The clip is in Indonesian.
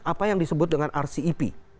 apa yang disebut dengan rcep